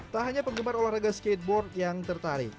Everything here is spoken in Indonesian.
tak hanya penggemar olahraga skateboard yang tertarik